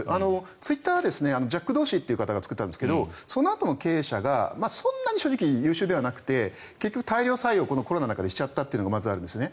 ツイッターはジャック・ドーシーという方が作ったんですがそのあとの経営者の方がそんなに正直優秀ではなくて大量採用をコロナ禍でしたことがまずあるんですね。